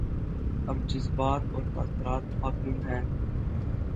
اب جذبات اور تاثرات حاکم ہیں۔